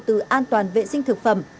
từ an toàn vệ sinh thực phẩm